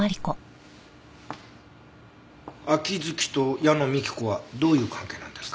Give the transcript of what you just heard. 秋月と矢野幹子はどういう関係なんですか？